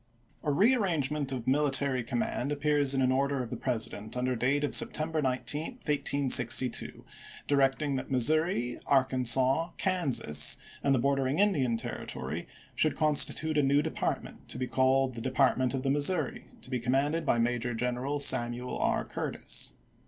A rearrangement of military command appears in an order of the President under date of Septem ber 19, 1862, directing that Missouri, Arkansas, Kansas, and the bordering Indian Territory should constitute a new department to be called the Depart ^ oMe^s,*^' ment of the Missouri, to be commanded by Major 1862!^ V\ Greneral Samuel R. Curtis.